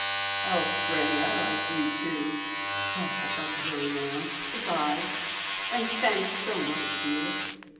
"Oh, Freddy, I like you, too! But I've got to hurry now. Good bye. And thanks so much, dear."